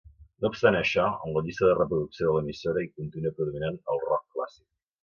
No obstant això, en la llista de reproducció de l'emissora hi continua predominant el rock clàssic.